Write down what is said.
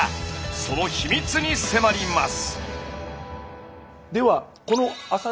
その秘密に迫ります！